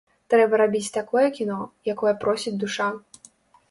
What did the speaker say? Трэба рабіць такое кіно, якое просіць душа.